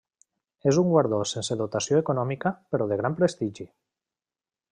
És un guardó sense dotació econòmica però de gran prestigi.